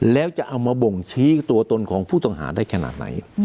แล้วจะเอามาบ่งชี้ตัวตนของผู้ต้องหาได้ขนาดไหน